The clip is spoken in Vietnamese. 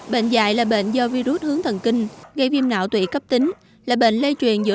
bệnh dạy là bệnh do virus hướng thần kinh gây viêm não tụy cấp tính là bệnh lây truyền giữa